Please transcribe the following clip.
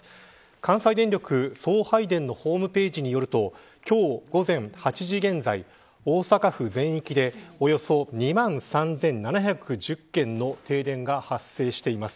関西電力送配電のホームページによると今日午前８時現在大阪府全域でおよそ２万３７１０件の停電が発生しています。